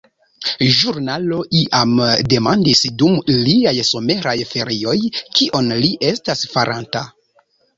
Ĵurnalo iam demandis, dum liaj someraj ferioj, kion li estas faranta.